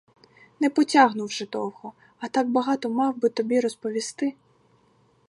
Не потягну вже довго, а так багато мав би тобі розповісти!